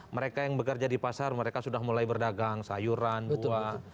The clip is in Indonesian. mereka yang bekerja di pasar mereka sudah mulai berdagang sayuran buah